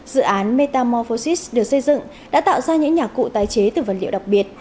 dự án metamorphosis được xây dựng đã tạo ra những nhà cụ tài chế từ vật liệu đặc biệt